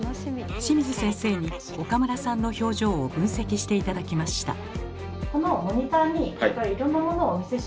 清水先生に岡村さんの表情を分析して頂きました。